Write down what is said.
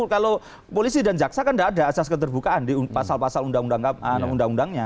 kalau polisi dan jaksa kan tidak ada asas keterbukaan di pasal pasal undang undangnya